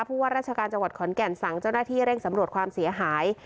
ว่าราชการจังหวัดขอนแก่นสั่งเจ้าหน้าที่เร่งสำรวจความเสียหาย